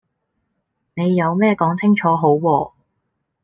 你有咩講清楚好喎